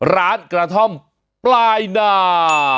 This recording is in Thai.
ร้านกระท่อมปลายนา